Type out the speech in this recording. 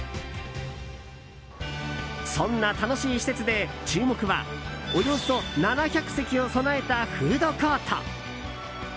そんな楽しい施設で注目は、およそ７００席を備えたフードコート！